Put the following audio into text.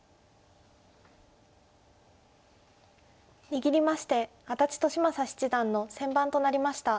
握りまして安達利昌七段の先番となりました。